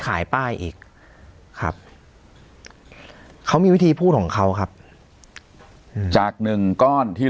ขายป้ายอีกครับเขามีวิธีพูดของเขาครับจากหนึ่งก้อนที่